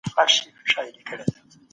په یو ځل سخت برید سره دښمن ختم کړه.